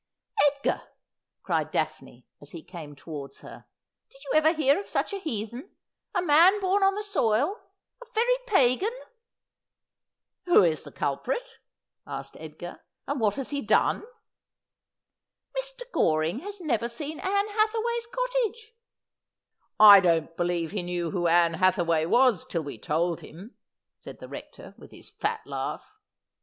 ' Edgar,' cried Daphne as he came towards her, ' did you ever hear of such a heathen — a man born on the soil — a very pagan ?'' Who is the culprit ?' asked Edgar ;' and what has he done ?'' Mr. Goring has never seen Ann Hathaway's cottage.' ' I don't believe he knew who Ann Hathaway was till we told him,' said the Rector, with his fat laugh.